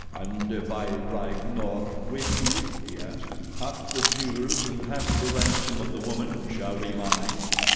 "And if I ride north with you," he asked, "half the jewels and half the ransom of the woman shall be mine?"